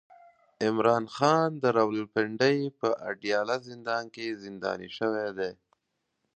عمران خان د راولپنډۍ په اډياله زندان کې زنداني شوی دی